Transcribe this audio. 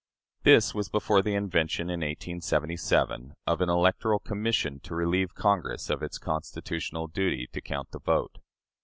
" This was before the invention in 1877 of an electoral commission to relieve Congress of its constitutional duty to count the vote.